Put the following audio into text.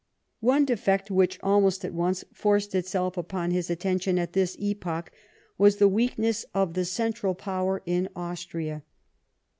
One defect whicli almost at once forced itself upon his attention at this epoch was the ^veakncss of the central METTEBNICn IN VIENNA. 73 power in Austria.